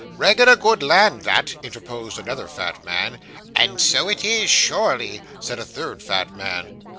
'Reg'lar good land that,' interposed another fat man. 'And so it is, sure ly,' said a third fat man.